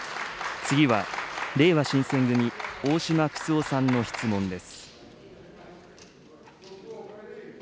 次はれいわ新選組、大島九州男さんの質問です。